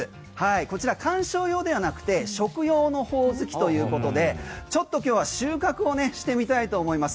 こちら観賞用ではなくて食用のホオズキということでちょっと今日は収穫をしてみたいと思います。